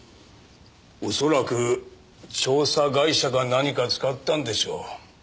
恐らく調査会社か何か使ったんでしょう。